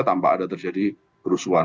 tanpa ada terjadi kerusuhan